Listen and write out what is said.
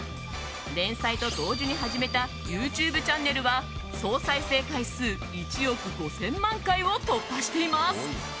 連載と同時に始めたＹｏｕＴｕｂｅチャンネルは総再生回数１億５０００万回を突破しています。